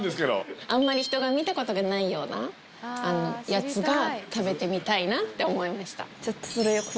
あんまり人が見たことがないようなやつが食べてみたいなって思いました。